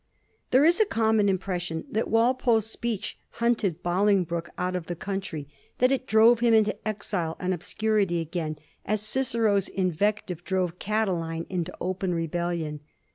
There is a common impression that Walpole's speech hunted Bolingbroke out of the country; that it drove him into exile and obscurity again, as Cicero's invective drove Catiline into open rebellion.